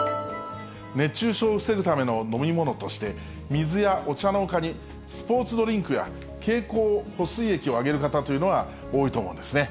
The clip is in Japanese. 熱中症を防ぐための飲み物として、水やお茶のほかに、スポーツドリンクや経口補水液を挙げる方というのは多いと思うんですね。